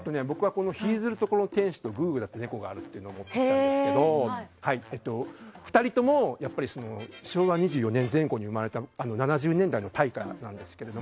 「日出処の天子」と「グーグーだって猫である」を持ってきたんですけど２人とも、昭和２４年前後に生まれた７２年代の大家なんですけど。